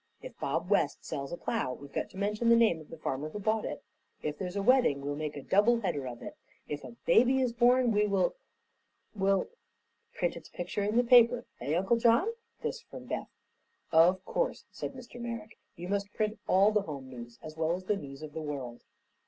If Bob West sells a plow we've got to mention the name of the farmer who bought it; if there's a wedding, we'll make a double header of it; if a baby is born, we will will " "Print its picture in the paper. Eh, Uncle John?" This from Beth. "Of course," said Mr. Merrick. "You must print all the home news, as well as the news of the world."